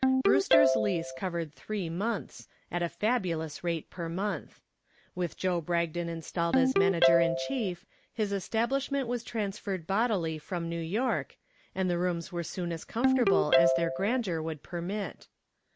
Brewster's lease covered three months, at a fabulous rate per month. With Joe Bragdon installed as manager in chief, his establishment was transferred bodily from New York, and the rooms were soon as comfortable as their grandeur would permit.